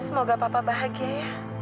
semoga papa bahagia ya